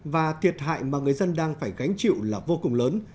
và thiệt hại mà người dân đang phải gánh chịu là vô cùng lớn